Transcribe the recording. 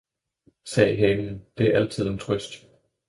« sagde Hanen, »det er altid en Trøst.